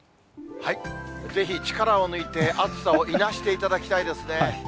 ぜひ力を抜いて、暑さをいなしていただきたいですね。